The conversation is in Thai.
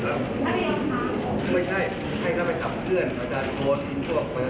เพราะว่าอยากให้คนไทยสนใจ